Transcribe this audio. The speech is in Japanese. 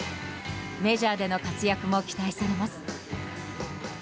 メジャーでの活躍も期待されます。